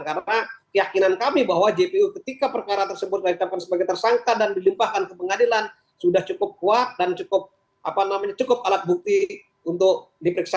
karena keyakinan kami bahwa jpu ketika perkara tersebut dilakukan sebagai tersangka dan dilimpahkan ke pengadilan sudah cukup kuat dan cukup alat bukti untuk diperiksa